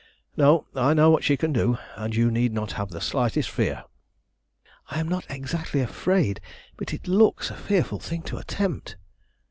No, I know what she can do, and you need not have the slightest fear!" "I am not exactly afraid, but it looks a fearful thing to attempt."